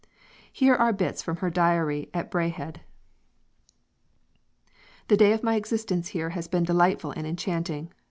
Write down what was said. Here are bits from her Diary at Braehead: "The day of my existence here has been delightful and enchanting.